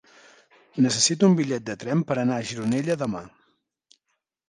Necessito un bitllet de tren per anar a Gironella demà.